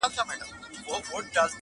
ویل ځه مخته دي ښه سلا مُلاجانه،